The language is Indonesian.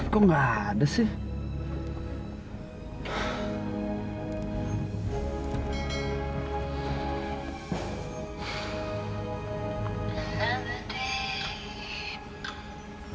kok gak ada sih